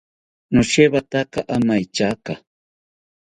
Noshewataka amaetyaka